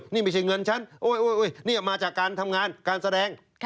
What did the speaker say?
นี่ไม่ใช่เงินฉันนี่มาจากการทำงานการแสดง